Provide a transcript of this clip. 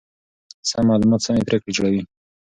سم معلومات سمې پرېکړې جوړوي.